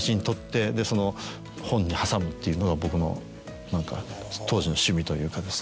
っていうのが僕の何か当時の趣味というかですね。